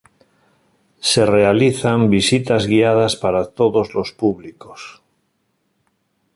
Se realizan visitas guiadas para todos los públicos.